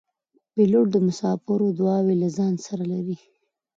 پیلوټ د مسافرو دعاوې له ځان سره لري.